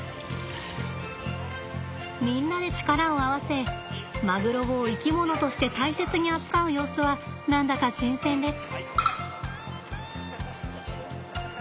みんなで力を合わせマグロを生き物として大切に扱う様子は何だか新鮮です。